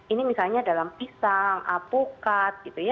ini misalnya dalam pisang alpukat gitu ya